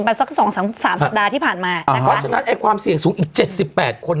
มันสัก๒๓สัปดาห์ที่ผ่านมาฉะนั้นความเสี่ยงสูงอีก๗๘คน